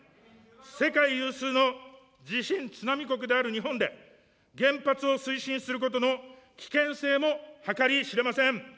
世界有数の地震津波国である日本で、原発を推進することの危険性も計り知れません。